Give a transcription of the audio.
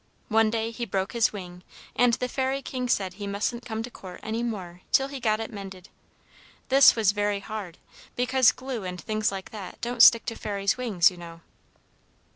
One day he broke his wing, and the Fairy King said he mustn't come to court any more till he got it mended. This was very hard, because glue and things like that don't stick to Fairies' wings, you know."